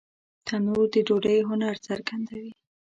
تنور د ډوډۍ هنر څرګندوي